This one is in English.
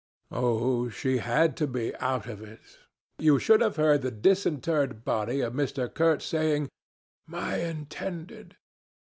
Oh, she had to be out of it. You should have heard the disinterred body of Mr. Kurtz saying, 'My Intended.'